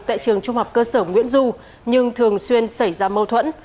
tại trường trung học cơ sở nguyễn du nhưng thường xuyên xảy ra mâu thuẫn